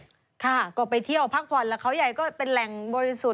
ค่ะก็ไปเที่ยวพักผ่อนแล้วเขาใหญ่ก็เป็นแหล่งบริสุทธิ์